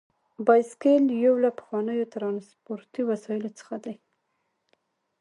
بایسکل یو له پخوانیو ترانسپورتي وسایلو څخه دی.